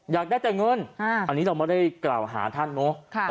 อยากได้แต่เงินอันนี้เราไม่ได้กล่าวหาท่านเนอะ